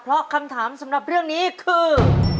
เพราะคำถามสำหรับเรื่องนี้คือ